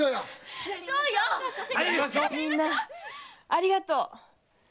みんなありがとう！